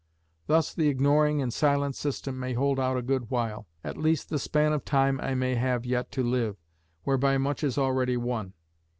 Thus the ignoring and silent system may hold out a good while, at least the span of time I may have yet to live, whereby much is already won.